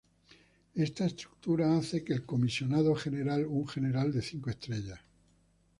Esta estructura hace que el Comisionado General, un general de cinco estrellas.